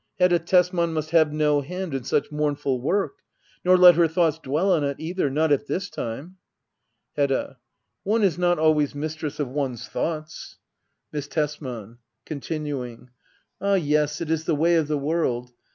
Hedda Tesman must have no hand in such mournful work. Nor let her thoughts dwell on it either — not at this time. Hedda. One is not always mistress of one's thoughts Miss Tesman. [Continuing,] Ah yes, it is the way of the world.